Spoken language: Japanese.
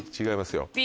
違いますよ。